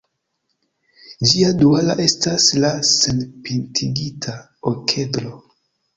Ĝia duala estas la senpintigita okedro.